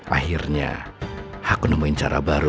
akhirnya aku nemuin cara baru